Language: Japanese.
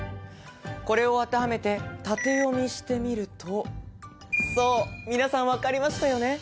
これを当てはめて縦読みしてみるとそう皆さん分かりましたよね？